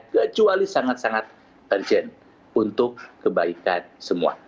kecuali sangat sangat urgent untuk kebaikan semua